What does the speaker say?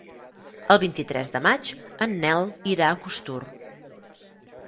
El vint-i-tres de maig en Nel irà a Costur.